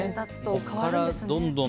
そこからどんどん。